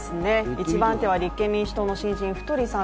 一番手は立憲民主党の新人、太さん。